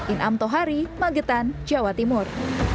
inam tohari magetan jawa timur